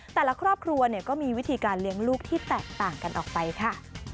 แต่ละครอบครัวก็มีวิธีการเลี้ยงลูกที่แตกต่างกันออกไปค่ะ